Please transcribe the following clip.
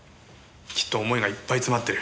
きっと思いがいっぱい詰まってる。